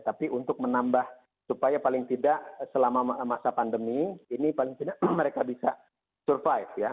tapi untuk menambah supaya paling tidak selama masa pandemi ini paling tidak mereka bisa survive ya